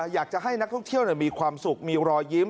อยากจะให้นักท่องเที่ยวมีความสุขมีรอยยิ้ม